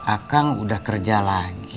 akang udah kerja lagi